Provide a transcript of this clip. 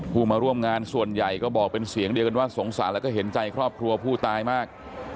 ผู้มาร่วมงานส่วนใหญ่ก็บอกเป็นเสียงเดียวกันว่าสงสารแล้วก็เห็นใจครอบครัวผู้ตายมาก